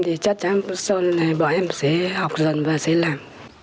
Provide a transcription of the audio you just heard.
thì chắc chắn bọn em sẽ học dần và sẽ làm